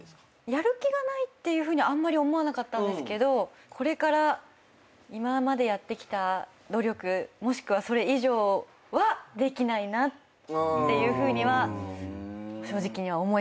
やる気がないっていうふうに思わなかったんですけどこれから今までやってきた努力もしくはそれ以上はできないなっていうふうには正直には思いました。